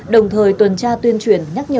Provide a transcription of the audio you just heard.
đồng thời tuần tra tuyên truyền nhắc nhở